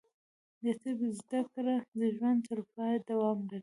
د طب زده کړه د ژوند تر پایه دوام لري.